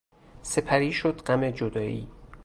سپری شد غم جدایی...